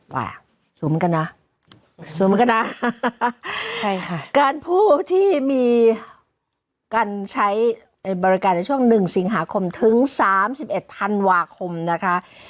อ่ะสวมกันนะสวมกันนะใช่ค่ะการผู้ที่มีการใช้บริการในช่วงหนึ่งสิงหาคมถึงสามสิบเอ็ดธันวาคมนะคะ